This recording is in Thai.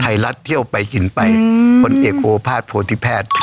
ไทยรัฐเที่ยวไปหินไปผลเอกโอภาษโพธิแพทย์